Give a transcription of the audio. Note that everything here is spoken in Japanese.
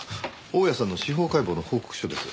大屋さんの司法解剖の報告書です。